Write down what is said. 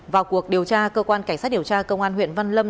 vào cuộc điều tra cơ quan cảnh sát điều tra công an huyện văn lâm